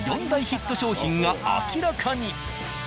４大ヒット商品が明らかに。